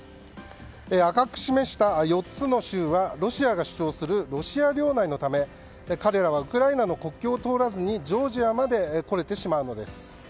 赤く示した４つの州はロシアが主張するロシア領内のため彼らはウクライナの国境を通らずジョージアまで来れてしまうのです。